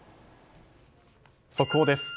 速報です。